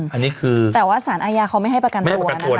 อันนี้คือแต่ว่าสารอาญาเขาไม่ให้ประกันตัวนะคะ